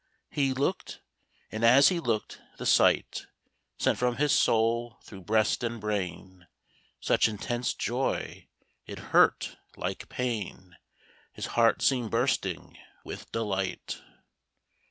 He looked. And as he looked, the sight Sent from his soul through breast and brain Such intense joy, it hurt like pain. His heart seemed bursting with delight.